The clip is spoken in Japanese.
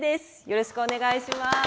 よろしくお願いします。